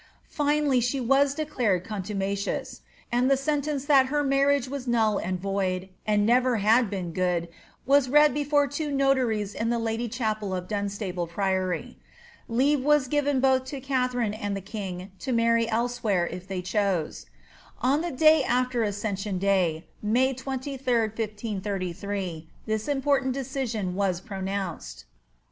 Finally, she was declared contumacious ; and the sentence that her marriage was null and void, Md never had been good, was read before two notaries in the Lady Cbapel of Dunstable Priory.' Leave was given both to Katharine and tbe king to marry elsewhere if they chose. On the day after Ascension d^r, 3Iay 23, 1 533, this important decision was pronounced.'